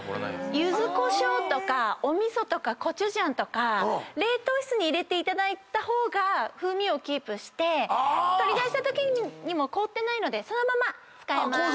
ゆずこしょうとかお味噌とかコチュジャンとか冷凍室に入れていただいた方が風味をキープして取り出したときに凍ってないのでそのまま使えます。